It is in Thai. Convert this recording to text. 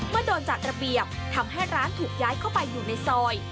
โดนจัดระเบียบทำให้ร้านถูกย้ายเข้าไปอยู่ในซอย